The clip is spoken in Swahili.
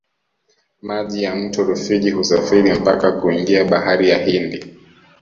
maji ya mto rufiji husafiri mpaka kuingia bahari ya hindi